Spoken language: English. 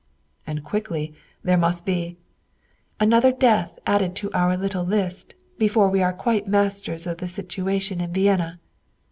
"And quickly. There must be "" another death added to our little list before we are quite masters of the situation in Vienna."